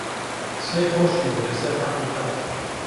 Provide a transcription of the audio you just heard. قسەی خۆشی بوو لەسەر حەقیقەت